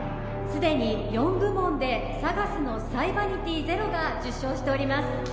すでに４部門でＳＡＧＡＳのサイバニティゼロが受賞しております